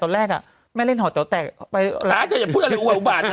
ตอนแรกอ่ะแม่เล่นหอเจ้าแตกไปอ่ะแต่อย่าพูดอะไรบาทนะ